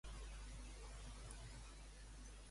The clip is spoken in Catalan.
Existeix alguna altra versió de la mort de Flègies?